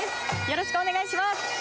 よろしくお願いします。